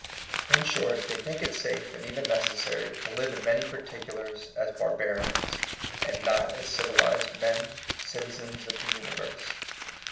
In short, they think it safe and even necessary to live in many particulars as barbarians, and not as civil ized men, citizens of the universe.